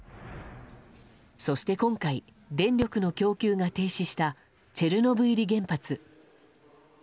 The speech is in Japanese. そして今回電力の供給が停止したチェルノブイリ原発。